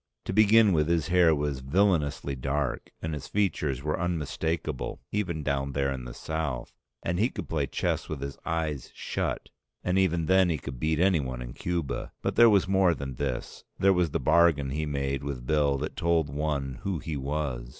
To begin with his hair was villainously dark, and his features were unmistakable even down there in the South, and he could play chess with his eyes shut, and even then he could beat anyone in Cuba. But there was more than this, there was the bargain he made with Bill that told one who he was.